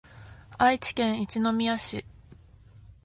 愛知県一宮市